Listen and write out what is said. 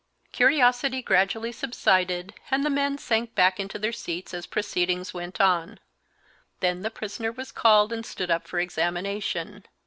Curiosity gradually subsided, and the men sank back into their seats as proceedings went on. Then the prisoner was called and stood up for examination.